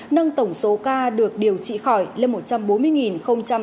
nâng tổng số ca được điều trị khỏi lên một trăm bốn mươi tám mươi bảy ca